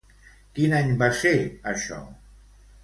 Quin any va ser això?